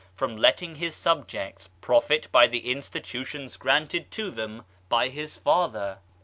from letting his subjects profit by the institutioiis granted to them by his father.